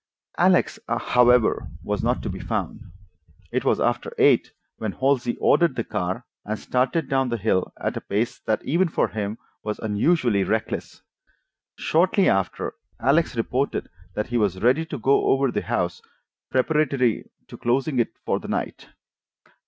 Alex, however, was not to be found. It was after eight when Halsey ordered the car, and started down the hill at a pace that, even for him, was unusually reckless. Shortly after, Alex reported that he was ready to go over the house, preparatory to closing it for the night.